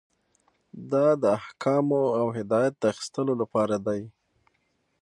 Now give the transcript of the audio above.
دا د احکامو او هدایت د اخیستلو لپاره دی.